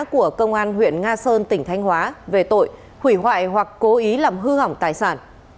của công an huyện nga sơn tỉnh thanh hóa về tội hủy hoại hoặc cố ý làm hư hỏng tài sản